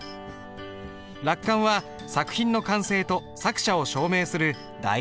落款は作品の完成と作者を証明する大事な要素だ。